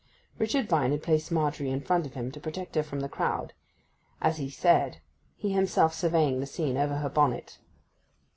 Richard Vine had placed Margery in front of him, to protect her from the crowd, as he said, he himself surveying the scene over her bonnet.